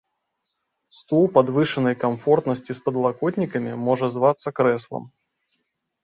Стул падвышанай камфортнасці з падлакотнікамі можа звацца крэслам.